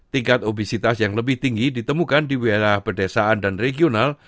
tingkat obesitas yang lebih tinggi ditemukan di wilayah pedesaan dan regional